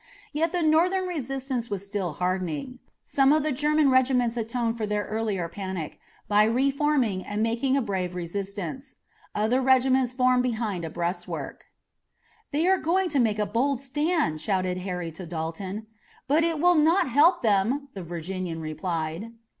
Yet the Northern resistance was still hardening. Some of the German regiments atoned for their earlier panic by reforming and making a brave resistance. Other regiments formed behind a breastwork. "They are going to make a bold stand," shouted Harry to Dalton. "But it will not help them," the Virginian replied.